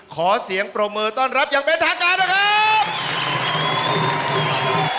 ขอเสียงปรบมือต้อนรับอย่างเป็นทางการนะครับ